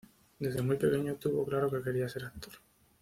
Desde muy pequeño tuvo claro que quería ser actor.